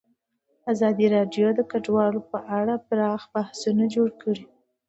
ازادي راډیو د کډوال په اړه پراخ بحثونه جوړ کړي.